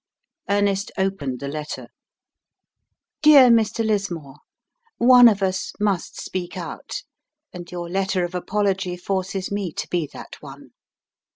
Ernest opened the letter. "DEAR MR. LISMORE: One of us must speak out, and your letter of apology forces me to be that one.